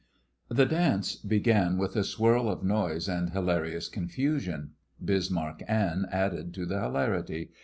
The dance began with a swirl of noise and hilarious confusion. Bismarck Anne added to the hilarity.